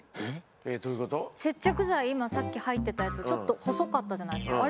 今さっき入ってたやつちょっと細かったじゃないですか。